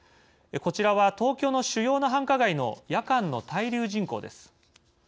こちらは東京の主要な繁華街の夜間の滞留人口です。